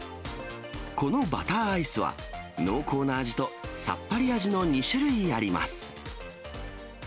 このバターアイスは、濃厚な味と、さっぱり味の２種類あります。